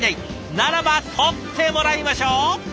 ならば撮ってもらいましょう！